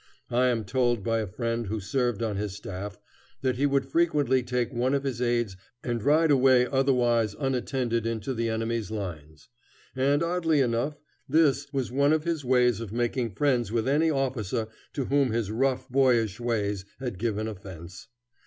I am told by a friend who served on his staff, that he would frequently take one of his aids and ride away otherwise unattended into the enemy's lines; and oddly enough this was one of his ways of making friends with any officer to whom his rough, boyish ways had given offense.